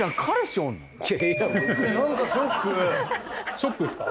ショックですか？